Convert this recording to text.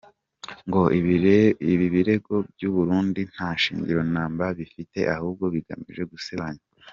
Ngo ibi birego by’u Burundi nta shingiro na mba bifite ahubwo bigamije gusebanya.